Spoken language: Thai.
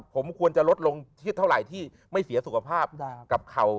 ผมควรจะลดลงเท่าไหร่ที่ไม่เสียสุขภาพกับเข่า